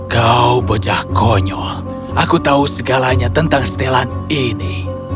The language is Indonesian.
kau bocah konyol aku tahu segalanya tentang setelan ini